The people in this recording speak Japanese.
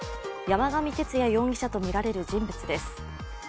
山上徹也容疑者とみられる人物です。